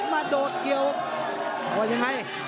มาโดดเกี่ยวโอ้ยังไง